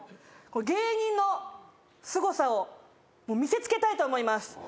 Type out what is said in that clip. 芸人のすごさを見せつけたいと思います。